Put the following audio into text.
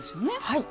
はい。